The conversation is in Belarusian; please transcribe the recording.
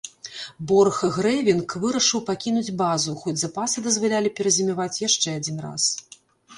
Борхгрэвінк вырашыў пакінуць базу, хоць запасы дазвалялі перазімаваць яшчэ адзін раз.